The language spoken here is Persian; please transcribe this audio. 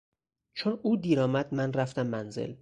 چون او دیرآمد من رفتم منزل.